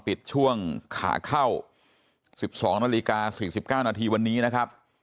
ปิดช่วงขาเข้า๑๒นาฬิกา๔๙นาทีวันนี้นะครับ